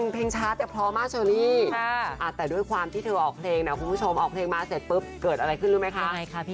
เพลงช้าแต่พร้อมมากเฉลี่ย